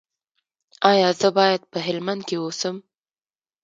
ایا زه باید په هلمند کې اوسم؟